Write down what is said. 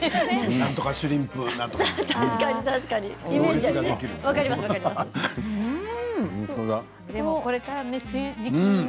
なんとかシュリンプとかね